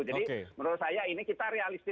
jadi menurut saya ini kita realistis